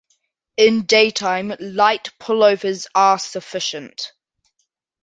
In daytime, light pullovers are sufficient.